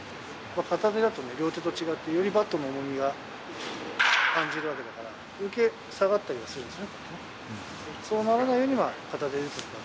片手だと両手と違って、よりバットの重みが感じるわけだから、よけい下がったりするわけですね。